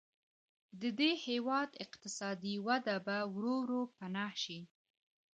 د دې هېواد اقتصادي وده به ورو ورو پناه شي.